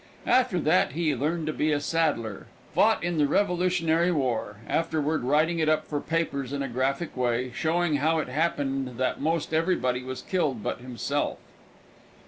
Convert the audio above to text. After that he learned to be a saddler, fought in the Revolutionary War, afterward writing it up for the papers in a graphic way, showing how it happened that most everybody was killed but himself.